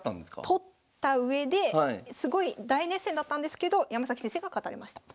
取ったうえですごい大熱戦だったんですけど山崎先生が勝たれました。